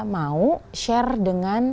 mau share dengan